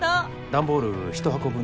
段ボール３箱分。